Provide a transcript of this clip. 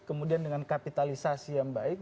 kemudian dengan kapitalisasi yang baik